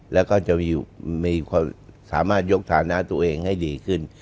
แล้วก็จะมีความสามารถยกฐานะตัวเองให้ดีขึ้น